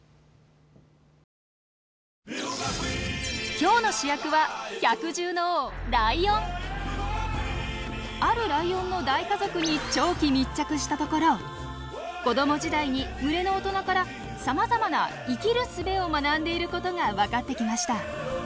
今日の主役はあるライオンの大家族に長期密着したところ子ども時代に群れの大人からさまざまな生きるすべを学んでいることが分かってきました。